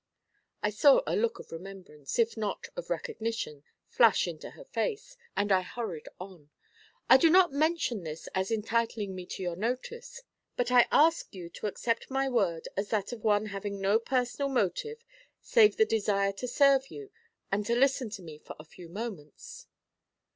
I saw a look of remembrance, if not of recognition, flash into her face, and I hurried on. 'I do not mention this as entitling me to your notice, but I ask you to accept my word as that of one having no personal motive save the desire to serve you, and to listen to me for a few moments.'